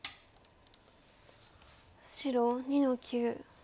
白２の九。